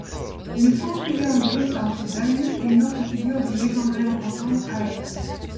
Une confusion existe entre Dahut et une autre figure du légendaire breton, Ahès.